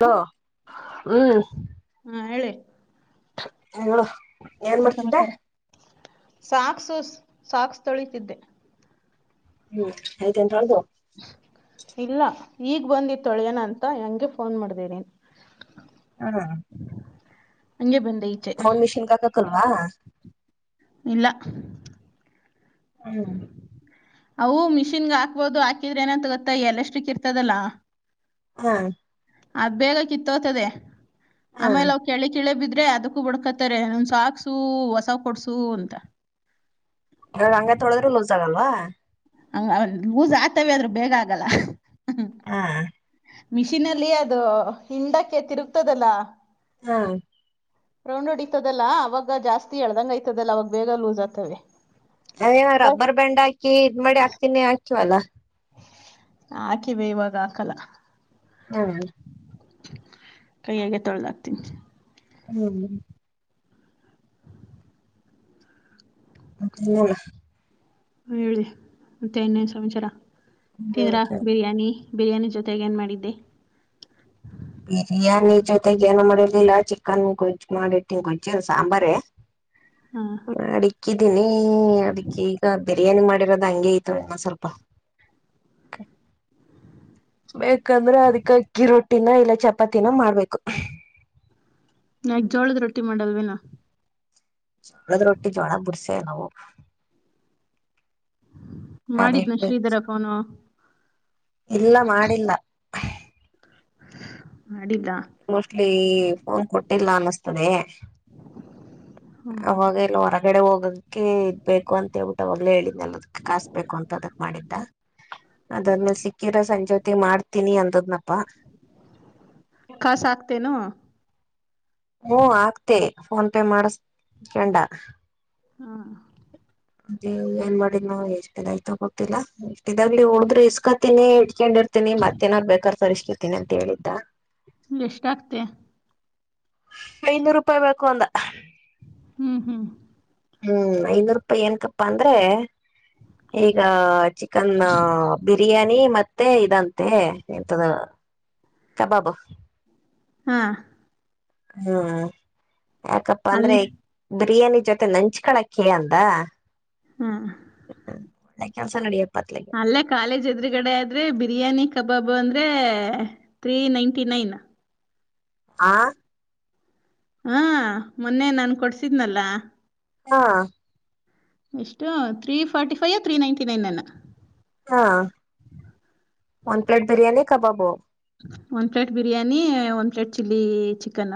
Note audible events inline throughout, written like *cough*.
ಹ ಹ್ಮ್ ಹಾ ಹೇಳಿ ಎ ಇನ್ನೇನ್ ಸಮಾಚಾರ ಸಾಕ್ಸು ಸಾಕ್ಸ್ ತೊಳೀತಿದ್ದೆ ಹ್ಮ್ ಹೈತನ ತೊಳದು ಇಲ್ಲ ಈಗ್ ಬಂದಿತ್ತೊಳ್ಯನ ಅಂತ ಹೆಂಗೆ ಫೋನ್ ಮಾಡ್ದೇರಿ ಹಂಗೆ ಬನ್ನ ಫೋನ್ ಮಿಷನ್ಗಾಕಕಿಲ್ವಾ ಇಲ್ಲ ಹ್ಮ್ ಅವು ಮಿಷಿನ್ಗೆ ಹಾಕ್ಬೋದು ಹಾಕಿದ್ರೆ ನಂತ ಗೊತ್ತ ಎಲಾಸ್ಟಿಕ್ ಇರ್ತದಲ್ಲ ಹಾ ಅದ್ ಬೇಗ ಕಿತ್ತ ಹೋತದೆ ಆಮೇಲೆ ಅವ್ ಕೆಳ ಕಿಳೆ ಬಿದ್ದ ್ರೆ ಅದಕ್ಕೂ ಬುಡ್ಕತ್ತಾರೆ ನನ್ ಸಾಕ್ಸು ಹೊಸ ಕೊಡ್ಸು ಅಂತ ಇಗ ಹಂಗ ತೊಳದ್ರೂ ಲೂಸ್ ಆಗಲ್ವಾ ಹಂಗ ಲೂಸ್ ಆಗ್ತವ ಆದ್ರೂ ಬೇಗ ಆಗಲ್ಲ ಹಾ ಮಿಷೀನ್ಲ್ಲಿ ಅದು ಹಿಂಡಕ್ಕೆ ತಿರುಗ್ತದಲ್ಲ ಹಾ ರೌಂಡುಡಿತದಲಾ ಅವಾಗ ಜಾಸ್ತಿ ಅಳ್ದಂಗ ಐತದಲ್ಲ ಅವಾಗ ಬೇಗ ಲೂಸ್ ಆಗ್ತವೆ ಅಯ ಬಸ್ ರಬ್ಬರ್ ಬ್ಯಾಂಡ್ ಹಾಕಿ ಇದ್ ಮಾಡಿ ಹಾಕ್ತೀನಿ ಹಾಕಿವಲ್ಲಾ ಹಾಕಿವ ಇವಾಗ ಹಾಕಲ್ಲ ಹ್ಮ ಕೈಯಗೆ ತೊಳ್ದಾಗ್ತೀನಿ ಹ್ಮ್ ಅ ಹೇಳಿ ಮತ್ತೆ ಇನ್ನೇನ್ ಸಂಚಾರ ತಿಂದ್ರಾ ಬಿರಿಯಾನಿ ಬಿರಿಯಾನಿ ಜೊತೆಗೆ ಏನ್ ಮಾಡಿದ್ದೆ ಬಿರಿಯಾನಿ ಜೊತೆಗ್ ಏನ ಮಾಡಿರ್ದಿಲ್ಲ ಚಿಕನ್ ಗಜು ಮಾಡಿರ್ತನ್ ಗಜ್ಜಿನ್ ಸಾಂಬಾರ ಹಾಂ ಅಡಕ್ಕಿದ್ದೀನಿ ಅಡಿಕಿ ಈಗ ಬಿರಿಯಾನಿ ಮಾಡಿರೋದು ಹಂಗಗೆ ಇನ್ನೂ ಸ್ವಲ್ಪ ಯಾಕಂದ್ರೆ ಅದಕ್ಕೆ ಅಕ್ಕಿ ರೊಟ್ಟಿನ ಇಲ್ಲ ಚಪಾತಿನ ಮಾಡ್ಬೇಕು ನಾಕ್ ಜೋಳದ ರೊಟ್ಟಿ ಮಾಡಲ್ವೇನಾ ಜೋಳದ್ ರೊಟ್ಟಿ ಜೋಳದ ಬುರ್ಸೆ ನಾವು ಮಾಡಿದ್ನ ಅದಿಟ್ಟು ಶ್ರೀಧರಪ ಫೋನು ಇಲ್ಲ ಮಾಡಿಲ್ಲ ಮಾಡಿದ ಮೋಸ್ಟ್ಲಿ ಫೋನ್ ಕೊಟ್ಟಿಲ್ಲ ಅನ್ನಿಸ್ತದೆ ಹಾ ಅವಾಗ ಇಲ್ಲ ಹೊರಗಡೆ ಹೋಗಕ್ಕೆ ಬೇಕು ಅಂತ ಹೇಳ್ಬಿಟ್ಟ ಅವಾಗಲೇ ಹೇಳಿದ್ದಲ್ಲದಕ್ ಕಾಸ್ ಬೇಕು ಅಂತ ಅದಕ್ ಮಾಡಿದ್ದ ಅದಾದ್ಮೇಲೆ ಸಿಕ್ಕಿರೋ ಸಂಜೆ ಹೊತ್ತಿಗೆ ಮಾಡ್ತೀನಿ ಅಂದದ್ನಪ್ಪಾ ಕಾಸಾಗ್ತೆನೋ ಹ್ಮ ಆಕ್ದೆ ಫೋನ್‌ಪೇ ಮಾಡಿಸ್ಕೊಂಡಾ ಹಾ ಅದೇ ಏನ್ ಮಾಡಿದ್ನೋ ಎಷ್ಟ್ ದಿನ ಅಯ್ತೋ ಗೊತ್ತಿಲ್ಲಾ ಎಷ್ಟ ಇದಾಗಲಿ ಉಳುದ್ರೆ ಇಸ್ಕತಿನಿ ಇತ್ಕೊಂಡಿರ್ತಿನಿ ಕೊಂಡಿರ್ತನಿ ಮತ್ತೆೇನಾರ್ ಬೇಕಾರ್ ತರಸ್ಕಾತೀನಿ ಅಂತ ಹೇಳಿದ್ದ ಎಷ್ಟ್ ಅಕ್ದೆ ಐನೂರು ರೂಪಾಯಿ ಬೇಕು ಅಂದ ಹ್ಮ್ ಹ್ಮ್ ಹ್ಮ್ ಐನೂರು ರೂಪಾಯಿ ಏನಕಪ್ಪಾ ಅಂದ್ರೆ ಈಗ ಚಿಕನ್ ಬಿರಿಯಾನಿ ಮತ್ತೆ ಇದಂತೆ ಎಂತದ ಕಬಾಬು ಹ್ಮ್ ಹ್ಮ ಯಾಕಪ್ಪ ಅಂದ್ರೆ ಅಲ್ಲೇ ಬಿರಿಯಾನಿ ಜೊತೆ ನಂಚ್ಕಳಕ್ಕೆ ಅಂದ ಹ್ಮ್ ಕೆಲಸ ನಡೆಯುತ್ತೆ ಅಲ್ಲೇ ಕಾಲೇಜ್ ಎದುರುಗಡೆ ಆದ್ರೆ ಬಿರಿಯಾನಿ ಕಬಾಬು ಅಂದ್ರ ಅದೆ ತ್ರಿ ನೈಟಿ ನೈನ್ ಆ ಹಾ ಮೊನ್ನೆ ನಾನ್ ಕೊಡ್ಸಿದ್ನಲ್ಲ ಹಾ ಎಷ್ಟು three forty five three ninety ನೈನ್ನ ಹಾ ಒನ್ ಪ್ಲೇಟ್ ಬಿರಿಯಾನಿ ಕಬಾಬು ಒಂದ್ ಪ್ಲೇಟ್ ಬಿರಿಯಾನಿ ಒಂದ್ ಪ್ಲೇಟ್ ಚಿಲ್ಲಿ ಚಿಕನ್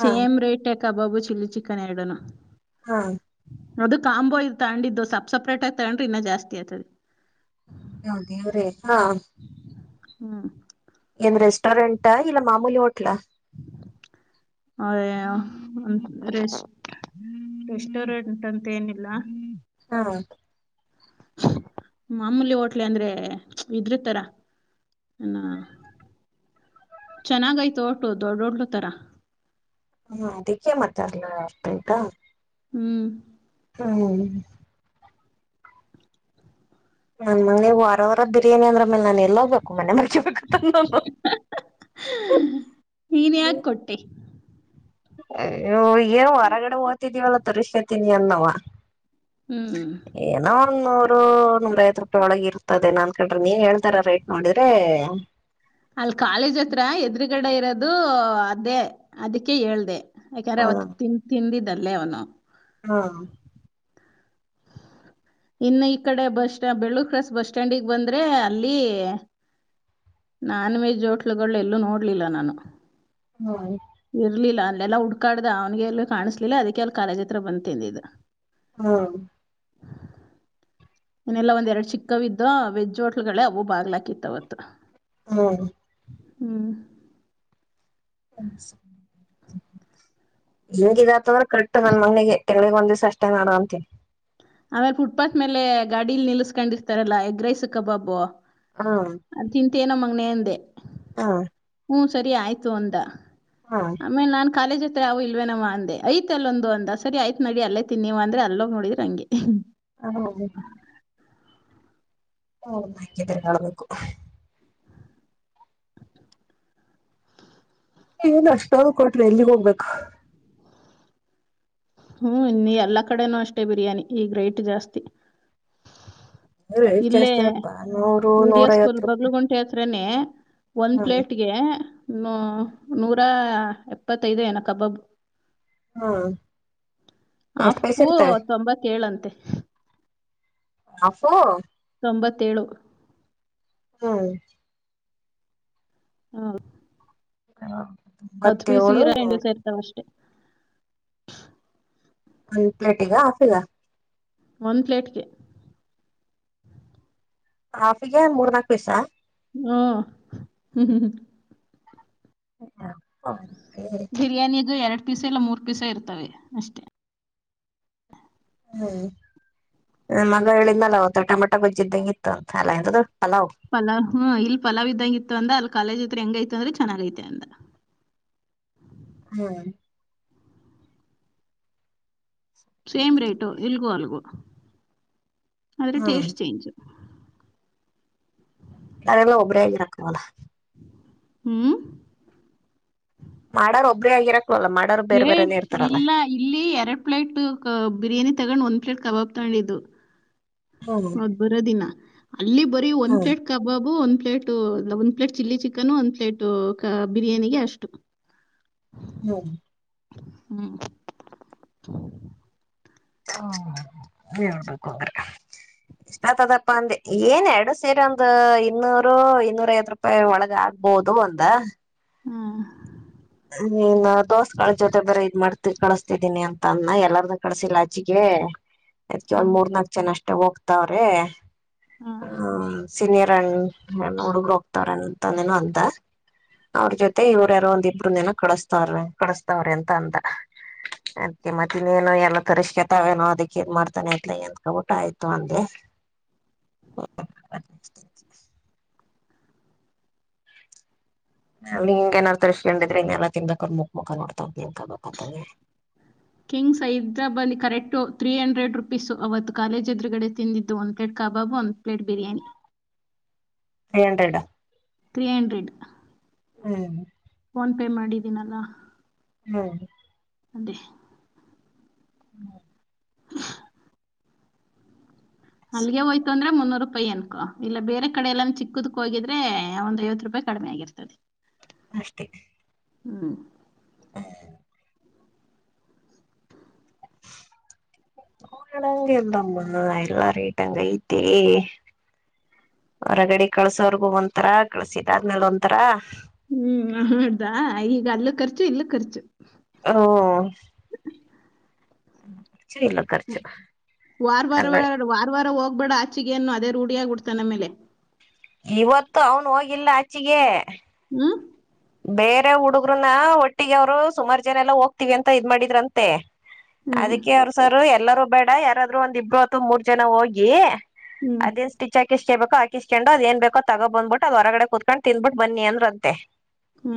ಹಾ ಸೇಮ್ ರೇಟ್ ಕಬಾಬು ಚಿಲ್ಲಿ ಚಿಕನ್ ಎರಡನು ಹಾ ಅದು ಕಾಂಬೋ ಇ ತಗೊಂಡಿದ್ದು ಸಪ್ ಸಪ್ರೇಟ್ ಆಗಿ ತಗೊಂಡ್ರೆ ಇನ್ನ ಜಾಸ್ತಿ ಆಯ್ತುದೆ ಅಯ್ಯೋ ದೇವ್ರೆ ಹಾ ಹ್ಮ್ ಏನ್ ರೆಸ್ಟೋರೆಂಟ್ ಹಾ ಇಲ್ಲ ಮಾಮೂಲಿ ಹೋಟ್ಲ ಅದೇ ರೆಸ್ಟ್ ರೆಸ್ಟೋರೆಂಟ್ ಅಂತ ಏನಿಲ್ಲ ಹಾ ಮಾಮೂಲಿ ಹೋಟ್ಲೆ ಅಂದ್ರೆ ಇದೃತರ ಏನೋ ಚೆನ್ನಾಗೈತು ಹೊಟ್ಲು ದೊಡ್ದ್ ಹೊಟ್ಲು ತರ ಹ್ಮ ಅದಿಕ್ಕೆ ಮಾತಾರ್ಲ್ಲ ಅಷ್ಟ ಊಟ ಹ್ಮ್ ಹ್ಮ ಹ ನನ್ ಮಗನಿಗೆ ವಾರ ವಾರ ಬಿರಿಯಾನಿ ಅಂದ್ರೆ ಅಮೇಲ್ ನಾನ್ ಎಲ್ ಹೋಗ್ಬೇಕು ಮನೆ ಮಾರ್ಕೊಂಬೇಕಾಯಿತದೆ ನಾನು ನೀನು ಯಾಕೆ ಕೊಟ್ಟೆ ಅಯ್ಯೋ ಏನು ಹೊರಗಡೆ ಓತಿದೀವಲ್ಲ ತರಿಸ್ಕೊತೀನಿ ಅದ್ನವ ಹ್ಞೂ ಏನೋ ಒಂದ್ ನೂರ್ ನೂರು ನೂರ್ ಐವತ್ ರೂಪಾಯಿ ಒಳಗ ಇರ್ತದೇನ ಅನ್ಕೊಂಡ್ರಿ ನೀನ್ ಹೇಳ್ತಾಇರೋ ರೇಟ್ ನೋಡಿದ್ರೆ ಅಲ್ ಕಾಲೇಜ್ ಹತ್ರ ಎದುರುಗಡೆ ಇರೋದು ಅದೇ ಅದಕ್ಕೆ ಹೇಳ್ದೆ ಯಾಕೆ ಹ ಅಂದ್ರೆ ಅವತ್ ತಿನ್ ತಿಂದಿದ್ದಲ್ಲೇ ಅವನು ಹಾ ಇನ್ನು ಈ ಕಡೆ ಬಸ್ ಸ್ಟಾ್ ಬೆಳ್ಳೂರ್ ಕ್ರಾಸ್ ಬಸ್ ಸ್ಟ್ಯಾಂಡಿಗೆ ಬಂದ್ರೆ ಅಲ್ಲಿ ನಾನ್ ವೆಜ್ ಹೋಟ್ಲುಗಳೆಲ್ಲೂ ನೋಡ್ಲಿಲ್ಲ ನಾನು ಹಾ್ *unintelligible* ಇರ್ಲಿಲ್ಲ ಅಲ್ಲೆಲ್ಲಾ ಹುಡ್ಕಾಡ್ದ ಅವನ್ಗೆ ಎಲ್ಲು ಕಾಣಿಸ್ಲಿಲ್ಲ ಅದಕ್ಕೆ ಅಲ್ಲಿ ಕಾಲೇಜ್ ಹತ್ರ ಬಂದ್ ತಿಂದಿದ್ದು ಹ್ಮ್ ಇನ್ನೆಲ್ಲಾ ಒಂದ್ ಎರಡ್ ಚಿಕ್ಕವಿದ್ದೋ ವೆಜ್ ಹೋಟ್ಲುಗಳೇ ಅವು ಬಾಗ್ಲಾಕಿತ್ ಅವತ್ ಹ್ಮ್ ಹ್ಮ್ ಹೆಂಗತಂದ್ರೆ ಕರೆಕ್ಟ್ ನನ್ ಮನೆಣಗೆ ಗಳಿಗ್ ಒಂದವ್ಸ ಅಷ್ಟೇ ನಡ ಅಂತಿ ಆಮೇಲೆ ಫುಟ್ಪಾತ್ ಮೇಲೆ ಗಾಡಿಲ್ ನಿಲ್ಲಸ್ಕೊಂಡಿರ್ತಾರಲ್ಲಾ ಎಗ್ರೈಸು ಕಬಾಬು ಹಾ ಏನೋ ಮಗನೇಂದೆ ಹಾ ಹ ಸರಿ ಆಯ್ತು ಅಂದ ಆಮೇ ನ ಕಾಲೇಜ್ ಹತ್ರ ಅವವು ಇಲ್ವೇ ನವ ಅಂದೆ ಐ್ತ ಅಲ್ಲೊಂದು ಅಂದ ಸರಿ ಯ್ತ್ ನಡಿ ಅಲ್ಲೇ ತಿನ್ನಿ ನೀವ ಅಂದ್ರೆ ಅಲ್ಲೋಗ ನೋಡ್ರ ಹಂಗೆ ಹ ಹೌದು ಹ ನ ಹಳ್ಬೇಕು ಏನ್ ಅಷ್ಟಾದ ಕೊಟ್ರಿ ಎಲ್ಲಿಗೆ ಹೋಗ್ಬೇಕು ಹ್ಮ್ ಇ ಎಲ್ಲಾ ಕಡೆನೂ ಅಷ್ಟೇ ಬಿರಿಯಾನಿ ಈಗ ರೇಟ್ ಜಾಸ್ತಿ ರೇಟ್ ಇಲ್ಲೇ ಜಾಸ್ತಿನಪ್ಪಾ ನೂರು ವಿಡಿಯೋ ಸ್ಕೂಲ್ ನೂರೈವತ್ತು ರೂಪಾಯಿ ಬಗ್ಲು ಗುಂಟೆ ಹತ್ರ ಒನ್ ಹ್ಮ್ ಪ್ಲೇಟ್ಗೆ ನೂರ ಎಪ್ಪತ್ತೈದು ಕಬಾಬ್ ಹಾ ಅಪ್ಪೂ ತಂಬಾ ಕೇಳಂತೆ ಆಫು ತೊಂಬತ್ತೇಳು ಹಾ ಹ್ಮ ಹ ತೊಂಬತ್ತೇಳೇಳು ನೂರು ಎಂಟು ಸೇರ್ತಾವ ಅಷ್ಟೇ ಒಂದ್ ಪ್ಲೇಟ್ಗ ಹಾಫ್ಗ ಒಂದು ಪ್ಲೇಟ್ಗೆ ಹಾಫಿಗೆ ಮೂರ್ನಾಕು ಪೀಸ ಹ ಹ್ಮ್ ಹ್ಮ್ ಹ್ಮ ಹ ಹ ಬಿರಿಯಾನಿಗು ಎರಡ್ ಪೀಸ ಇಲ್ಲ ಮೂರ್ ಪೀಸ ಇರ್ತವೆ ಅಷ್ಟೆ ಹ್ಮ್ ಮಗ ಹೇಳಿಂದಲ್ಲ ಅವತ್ತು ಟಮಾಟೊ ಗೊಜ್ಜಿದ್ದಂಗ ಇತ್ತು ಅಂತ ಅಲ ಎದು ಪಲಾವ್ ಇಲ್ಲಿ ಪಲಾವ್ಗ ಇತ್ತು ಅಂದ ಅಲ್ಲಿ ಕಾಲೇಜ್ ಇದ್ರ ಹೆಂಗೈಐತ್ ಅಂದ್ರೆ ಚೆನ್ನಾಗೈತೆ ಅಂದ ಹ್ಮ್ ಸೇಮ್ ರೇಟು ಇಲ್ಗೂ ಅಲ್ಗು ಆದರೆ ಹ್ಮ್ ಟೇಸ್ಟ್ ಚೇಂಜು ನಲ್ಲ ಒಬ್ಬರರಕಲ್ಲ ಹ್ಮ್ ಮಾಡಾರ ಒಬ್ಬ್ರೇ ಆಗಿರಕ್ ಏ ಇಲ್ಲ ಇಲ್ಲಿ ಎರಡ್ ಪ್ಲೇಟ್ ಬಿರಿಯಾನಿ ತಗೊಂಡ್ ಒಂದ ಟ್ ಕಬಾಬ್ ತಗೊಂಡಿದ್ದು ಹ್ಮ್ ಹೌದ್ ಬರೋದಿನ ಅಲ್ಲಿ ಬರೀ ಒಂದ್ ಹ್ಮ್ ಪ್ಲೇಟ್ ಕಬಾಬು ಒಂದ ಪ್ಲೇಟ ಒಂದ್ ಪ್ಲೇಟ್ ಚಿಲ್ಲಿ ಚಿಕನ್ ಒಂದ್ ಪ್ಲೇಟ್ ಬಿರಿಯಾನಿಗೆ ಅಷ್ಟು ಹ್ಮ ಹ್ಮ್ ಹ್ಮ ಹೇಳ್ಬೇಕು ಅಂದ್ರೆ ಎಷ್ಟ ಆಗ್ತದಪ್ಪ ಅಂದೆ ಏನ್ ಎರಡು ಸೇರಿ ಒಂದು ಇನ್ನೂರು ಇನ್ನೂರ ಐದ ರೂಪಾಯಿ ಒಳಗ ಆಗ್ ಬೌದು ಬಂದ ಹ್ಮ ನೀನ್ ದೋಸ್ಗಳ ಜೊತೆ ಬರ ಇದ್ ಮಾಡ್ತ ಕಳಿಸಸ್ತಿದ್ದೀನಿ ಅಂತ ಅನ್ನ ಎಲ್ಲಾರ್ನ್ನೂ ಕಳಸಿಲ್ಲಾಚಿಗೆ ಹಾ ಅದ್ಕ ಒಂದ್ ಹ್ಮ್ ಮೂರ್ನಾಾಕ ಜನ ಅಷ್ಟ ಹೋಗ್ತಾವ್ರೆ ಹ ಹ್ಮ್ ಸಿನಿಯರ್ಣ್ ಹ ಹುಡುಗ ಹೋಗ್ತವ್ರೆ ಅಂತಂದೇನ ಅಂದ ಅವ್ರ ಜೊತೆ ಇವ್ರ ಯಾರೋ ಒಂದಿಬ್ಬರು ಕಳಿಸಸ್ತಾವ್ರೆ ಕಳಿಸ್ತಾರೆ ಅಂತ ಅಂದ ಅದೆ ಮತ್ತ ಇನ್ನೇನೋ ಎಲ್ಲ ತರುಷ್ಕೃತವೇನು ಅದಕ್ಕೆ ಇದ ಮಾಡ್ತಾನೆ ಅಂತಲೆ ಆಯ್ತು ಅಂದೆ *inaudible* ಅಲ್ಲಿ ಹಿಂಗ ತರುಸ್ಕೊಂಡಿದ್ರೆ ಇದ್ರ ಇನ್ನ ಎಲ್ಲಾ ತಿನ್ಬೇಕಾದ್ರೆ ಮುಖ ಮುಖಾ ನೋಡ್ತವ kings size correct three hundred rupees ಅವತ್ತು ಕಾಲೇಜ್ ಎದುರುಗಡೆ ತಿಂದಿದ್ದು ಒಂದು ಪ್ಲೇಟ್ ಕಾಬ್ ಒಂದು plate biryani three hundred three hundred ಹ್ಮ್ ನ್ ಪೇ ಮಾಡಿದ್ದೀನಲ್ಲ ಹ್ಮ್ ಅದೇ ಹ್ಮ್ *inaudible* ಅಲ್ಲಿಗೆ ಹೋಯ್ತು ಅಂದ್ರೆ ಮುನೂರ್ ರೂಪಾಯಿ ನಕೋ ಇಲ್ಲ ಬೇರೆ ಕಡೆ ಎಲ್ಲಾನ ಚಿಕ್ಕದಕ್ ಹೋಗಿದ್ರೆ ಒಂದ್ ಐವತ್ತು ರೂಪಾಯಿ ಕಡಿಮೆ ಆಗಿರ್ತದೆ ಅಷ್ಟೇ ಹ್ಮ್ ಹೆ *inaudible* ಳಗಿಲ್ಲಮ್ಮ ಎಲ್ಲ ರೇಟಂಗ ಐತೆ ಹೊರಗಡಿ ಕಳ್ಸೋರ್ಗೂ ಒಂತರ ಕಳ್ಸಿದಾದ್ಮೇಲೆ ಒಂತರ ಹ್ಮ್ ನೋಡ್ದ ಈಗ ಅಲ್ಲು ಖರ್ಚು ಇಲ್ಲು ಖರ್ಚು ಹ್ಮ ಹ ವಾರ್ ವಾರ ಅಲ್ಲ ವಾರ ವಾರ ಹೋಗ್ಬೇಡ ಹಾಚಿಗೆನ್ನು ಅದೇ ರೂಡ್ ಬಿಡ್ತಾನಮ್ಮೇಲೆ ಇವತ್ತು ಅವನು ಹೋಗಿಲ್ಲ ಅಚಿಗೆ ಹ್ಮ್ ಬೇರೆ ಹುಡುಗ್ರುನ ಒಟ್ಟಿಗೆ ಅವ್ರು ಸುಮಾರು ಜನ ಎಲ್ಲ ಹೋಗ್ತೀವಿ ಅಂತ ಇದ್ ಮಾಡಿದ್ರಂತೆ ಹ್ಮ್ ಅದಕ್ಕೆ ಅವರ ಸರು ಎಲ್ಲಾರೂ ಬೇಡ ಯಾರಾದ್ರರು ಒಂದ್ ಇಬ್ರು ಅಥವಾ ಮೂರ್ ಜನ ಹೋಗಿ ಹ್ಮ್ ಅದೇ ಸ್ಟಿಚ್ ಕು ಹಕಿಸ್ಕೊಂಡು ಅದೇನ್ ಬೇಕೋಗೊ ತಗೋ ಬಂದ್ಬಿಟ್ ಅದ ಹೊರಗಡೆ ಕುತ್ಕೊಂಡ್ ತಿಂದು ಬಿಟ್ಟು ಬನ್ನಿ ಅಂದ್ರ ಅಂತೆ ಹ್ಮ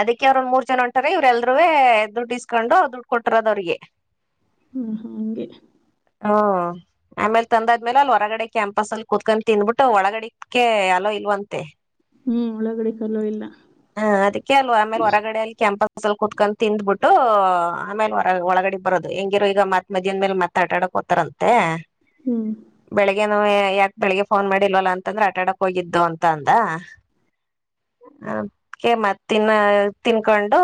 ಅದಕ್ಕೆ ಅವ್ರ ಒಂದ್ ಮೂರ್ ಜನ ಹೊಂಟರೆ ಇವರೆಲ್ರುವೇ ದುಡ್ಡು ಇಸ್ಕೊಂಡು ದುಡ್ಡು ಕೊಟ್ಟಿರೋದು ಅವ್ರಿಗೆ ಹ್ಮ್ ಹ್ಮ ಹಗೆ ಹ್ಮ್ ಆಮೇಲೆ ತಂದ ಆದ್ಮೇಲೆ ಅಲ್ಲಿ ಹೊರಗಡೆ ಕ್ಯಾಂಪಸ್ ಅಲ್ಲಿ ಕುತ್ಕೊಂಡು ತಿಂದ್ಬಿಟ್ಟು ಒಳಗಡೆಕ್ಕೆ ಅಲ್ಲೋ ಇಲ್ವಂತೆ ಹ್ಮ್ ಒಳಗಡೆ ಅಲ್ಲೋ ಇಲ್ಲ ಹಾ ಅದಕ್ಕೆ ಅಲ್ವಾ ಆಮೇಲೆ ಹೊರಗಡೆ ಅಲ್ಲಿ ಕೆಂಪಸ್ ಕ್ಲಾಸಲ್ಲಿ ಕುತ್ಕೊಂಡು ತಿಂದ್ಬಿಟ್ಟು ಆಮೇಲೆರ ಒಳಗಡೆ ಬರೋದು ಹೆಂಗಿರರು ಈಗ ಮದ್ ಮಧ್ಯಾನ ಮೇಲೆ ಮತ್ ಆಟ ಆಡಕ್ ತಾರಂತೆ ಹ್ಮ್ ಬೆಳಗ್ಗೆನುವೆ ಯಾಕೆ ಬೆಳಿಗ್ಗೆ ಫೋನ್ ಮಾಡಿ ಇಲ್ವಲ್ಲ ಅಂತಂದ್ರೆ ಆಟಾಡಕ್ ಹೋಗಿದ್ದು ಅಂತ ಅಂದ ಹ ಮತ್ ತಿನ್ನ ತಿನ್ಕೊಂಡು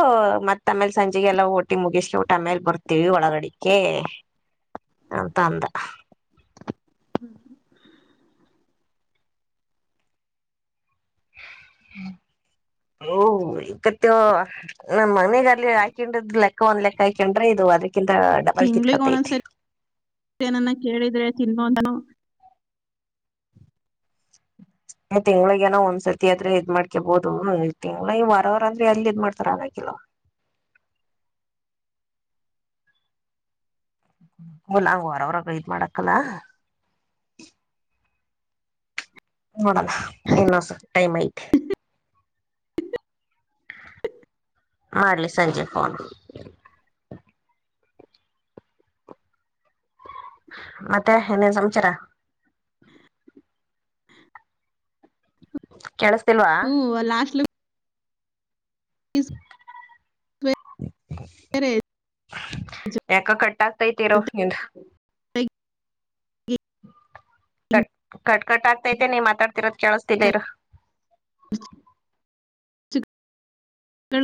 ಮತ್ ಆಮೇಲ್ ಸಂಜೆಗೆಲ್ಲ ಒಟ್ಟಿ ಮುಗಿಸ್ಕೋ ಬಿಟ್ಟು ಆಮೇಲೆ ಬರ್ತವಿ ಒಳಗಡಿಕೆ ಅಂತ ಅಂದ ಹ್ಮ ಹ್ಮ *inaudible* ಓ ಇಕತೂ *unintelligible* ನಮ್ ಮನೆಗ ಅಲ್ಲಿ ಹಾಕೊಂಡಿದ್ ಲೆಕ್ಕ ಒಂದ್ ಲೆಕ್ಕ ಹಾಕೊಂಡ್ರೆ ಇದುವಾರಿ ತಿಂಗ್ಳಿಗೆಗ್ ಒಂದೊಂದ್ಸರಿ ಏನನ್ನ ಕೇಳಿದ್ರೆ ತಿನ್ನು ಅನ್ನು *inaudible* ಇವಳಿಗೇನು ಏನ ಒಂದ್ಸರ್ತಿ ಆದ್ರೆ ಇದ್ ಮಾಡ್ಕಬಹದು ತಿಂಗಳ ಈ ವಾರವಾರ ಅಂದ್ರೆ ಅಲ್ಲಿ ಇದ್ ಮಾಡ್ತಾರ ಆಗಕ್ಕಿಲ್ಲ. *inaudible* ಹ್ಮ್ *unintelligible* ವಾರವಾರ ಇದ ಮಾಡಾಕಲ್ಲ ನೋಡೋನಾ ಇನ್ನಸ ಟೈಮ್ ಐತೆ. ಮಾಡ್ಲಿ ಸಂಜೆ ಫೋನ್. ಮತ್ತೆ ಇನ್ನೇನ ಸಮಚಾರಾ. ಕೇಳಸ್ತಿಲ್ವಾ, ಹ್ಮ್ ಲಾಸ್ಟ್ *unintelligible* ಯಾಕೋ ಕಟ್ ಆಗ್ತೈತಿರೋ ಜೊತೆಗೆ ನಿಂದ. ಹಿಂಗ್ ಕಟ್ ಕಟ್ ಕಟ್ ಆಗ್ತೈತೆ ನೀ ಮಾತಾಡ್ತಿರೋದು. ಕೆೇಳಸ್ತಿದೇ ಇರು. ಖರ್ಚು ಗಳು